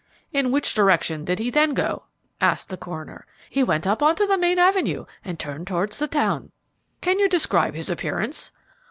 "In which direction did he then go?" asked the coroner. "He went up onto the main avenue and turned towards the town." "Can you describe his appearance?"